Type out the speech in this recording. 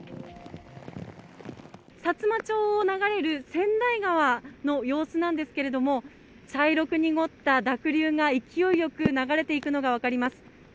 さつま町を流れる川内川の様子なんですけれども、茶色く濁った濁流が勢いよく流れていくのが分かります。